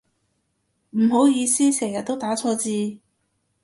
唔好意思成日都打錯字